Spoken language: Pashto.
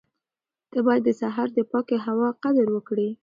ته باید د سهار د پاکې هوا قدر وکړې.